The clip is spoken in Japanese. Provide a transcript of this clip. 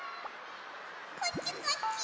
こっちこっち。